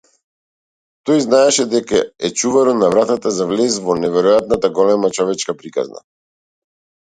Тој знаеше дека е чуварот на вратата за влез во неверојатната голема човечка приказна.